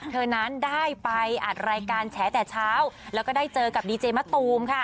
เธอนั้นได้ไปอัดรายการแฉแต่เช้าแล้วก็ได้เจอกับดีเจมะตูมค่ะ